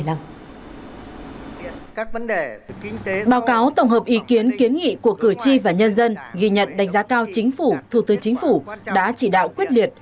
báo cáo tổng hợp ý kiến kiến nghị của cử tri và nhân dân ghi nhận đánh giá cao chính phủ thủ tư chính phủ đã chỉ đạo quyết liệt